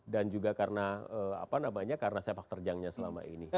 dan juga karena sepak terjangnya selama ini